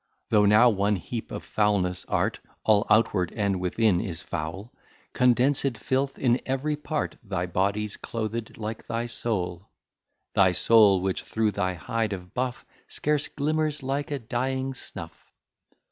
Thou now one heap of foulness art, All outward and within is foul; Condensed filth in every part, Thy body's clothed like thy soul: Thy soul, which through thy hide of buff Scarce glimmers like a dying snuff.